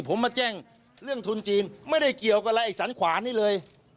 ผมมาแจ้งเรื่องทุนจีนไม่ได้เกี่ยวกับอะไรไอ้สันขวานี่เลย